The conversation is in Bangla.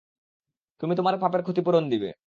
তুমি তোমার পাপের ক্ষতিপূরণ দিবে।